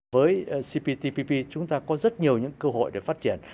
với cptpp chúng ta có rất nhiều những cơ hội để phát triển